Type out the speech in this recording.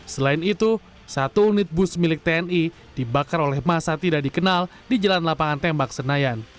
selain itu satu unit bus milik tni dibakar oleh masa tidak dikenal di jalan lapangan tembak senayan